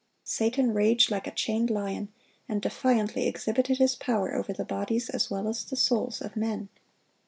Satan raged like a chained lion, and defiantly exhibited his power over the bodies as well as the souls of men.